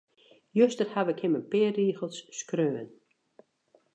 Juster haw ik him in pear rigels skreaun.